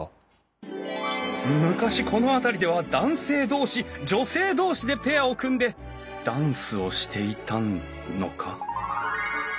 昔この辺りでは男性同士女性同士でペアを組んでダンスをしていたのか？